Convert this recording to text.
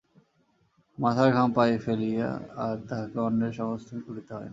মাথার ঘাম পায়ে ফেলিয়া আর তাঁহাকে অন্নের সংস্থান করিতে হয় না।